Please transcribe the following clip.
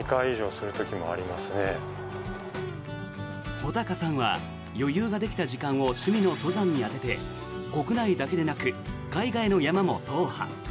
穂高さんは余裕ができた時間を趣味の登山に充てて国内だけでなく海外の山も踏破。